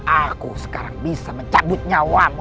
aku sekarang bisa mencabut nyawamu